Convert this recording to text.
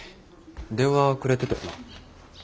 電話くれてたよな。